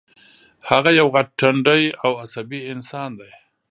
هغه یو غټ ټنډی او عصبي انسان دی